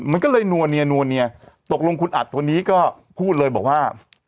มันก็เลยนัวเนียนัวเนียตกลงคุณอัดคนนี้ก็พูดเลยบอกว่า